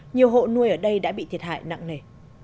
nhiều hộ nuôi ở đây đã bị thiệt hại nặng nề